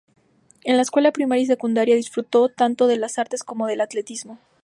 En la escuela primaria y secundaria, disfrutó tanto de las artes como del atletismo.